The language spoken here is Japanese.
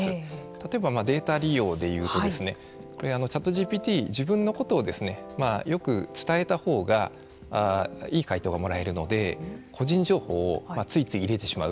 例えばデータ利用でいうとＣｈａｔＧＰＴ自分のことをよく伝えたほうがいい回答がもらえるので個人情報をついつい入れてしまう。